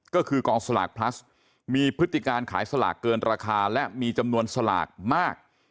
ก็คือกองสลากพลัสมีพฤติการขายสลากเกินราคาและมีจำนวนสลากมาก